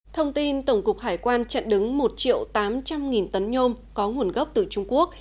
thông tin tổng cục hải quan trận đứng một triệu tám trăm linh tấn nhôm có nguồn gốc từ trung quốc